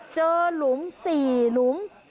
เจอหลุม๔หลุม